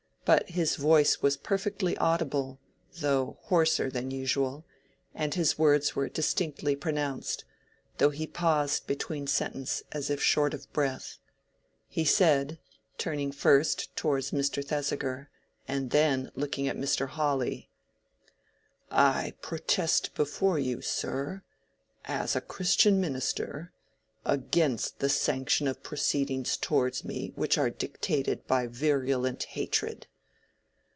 But his voice was perfectly audible, though hoarser than usual, and his words were distinctly pronounced, though he paused between sentence as if short of breath. He said, turning first toward Mr. Thesiger, and then looking at Mr. Hawley— "I protest before you, sir, as a Christian minister, against the sanction of proceedings towards me which are dictated by virulent hatred.